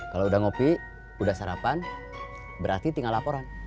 kalau udah ngopi udah sarapan berarti tinggal laporan